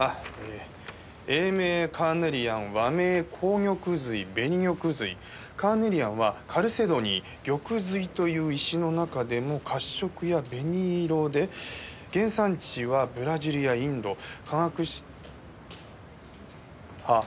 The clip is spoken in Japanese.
「英名カーネリアン和名紅玉髄紅玉髄」「カーネリアンはカルセドニー玉髄という石の中でも褐色や紅色で原産地はブラジルやインド」「化学式」あっ。